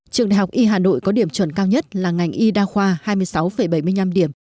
trường đại học y hà nội có điểm chuẩn cao nhất là ngành y đa khoa hai mươi sáu bảy mươi năm điểm